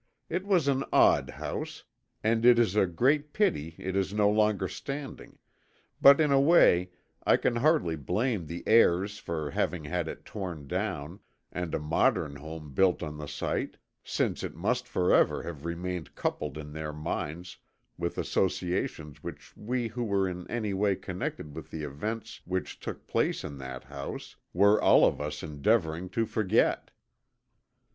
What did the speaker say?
It was an odd house, and it is a great pity it is no longer standing, but in a way I can hardly blame the heirs for having had it torn down and a modern home built on the site, since it must forever have remained coupled in their minds with associations which we who were in any way connected with the events which took place in that house, were all of us endeavoring to forget.